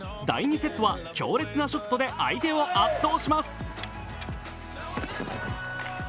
第２セットは強烈なショットで相手を圧倒します。